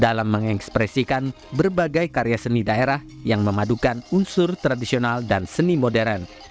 dalam mengekspresikan berbagai karya seni daerah yang memadukan unsur tradisional dan seni modern